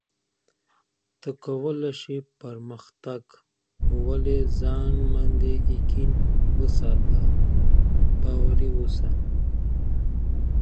بې له زده کړې ګټه لنډمهاله ده.